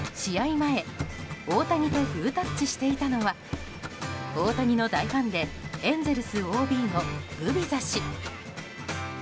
前大谷とグータッチしていたのは大谷の大ファンでエンゼルスＯＢのグビザ氏。